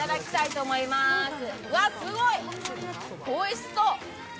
すごいおいしそう。